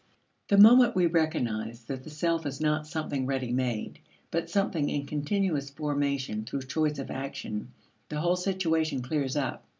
The moment we recognize that the self is not something ready made, but something in continuous formation through choice of action, the whole situation clears up.